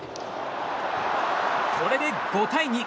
これで５対２。